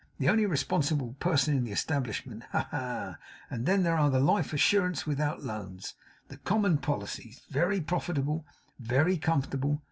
The only responsible person in the establishment! Ha, ha, ha! Then there are the Life Assurances without loans; the common policies. Very profitable, very comfortable.